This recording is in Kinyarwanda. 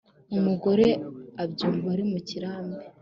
umugore abyumva ari mu kirambi